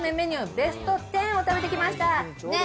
ベスト１０を食べてきました。